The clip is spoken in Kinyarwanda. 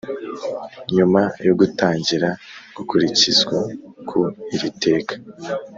nyuma yo gutangira gukurikizwa ku iri teka